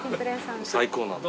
最高なんです。